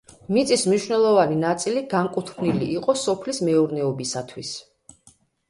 მიწის მნიშვნელოვანი ნაწილი განკუთვნილი იყო სოფლის მეურნეობისათვის.